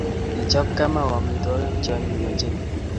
Kichob Kamau amitwokik che anyiny ochei.